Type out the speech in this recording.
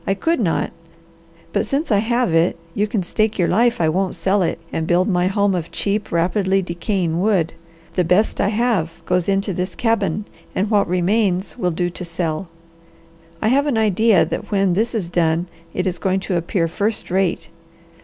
"I could not, but since I have it, you can stake your life I won't sell it and build my home of cheap, rapidly decaying wood. The best I have goes into this cabin and what remains will do to sell. I have an idea that when this is done it is going to appear first rate.